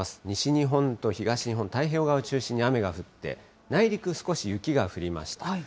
西日本と東日本、太平洋側を中心に雨が降って、内陸少し、雪が降りました。